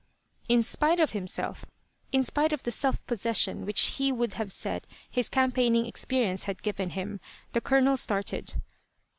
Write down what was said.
In spite of himself in spite of the self possession which he would have said his campaigning experience had given him, the Colonel started.